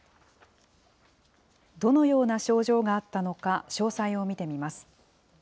どのような症状があったのか、詳細を見てみます。